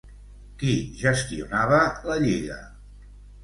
Qui gestionava la Lliga?